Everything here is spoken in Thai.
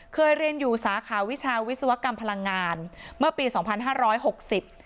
เคยเรียนอยู่สาขาวิชาวิศวกรรมพลังงานเมื่อปีสองพันห้าร้อยหกสิบ